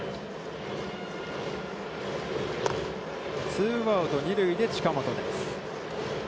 ツーアウト、二塁で近本です。